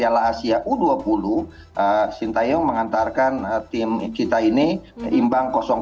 terakhir di piala asia u dua puluh shin taeyong mengantarkan tim kita ini imbang